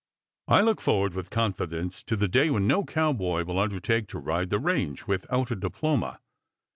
I look forward with confidence to the day when no cowboy will undertake to ride the range without a diploma.